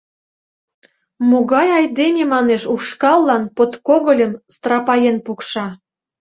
Могай айдеме, манеш, ушкаллан подкогыльым страпаен пукша.